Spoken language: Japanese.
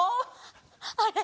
あれ？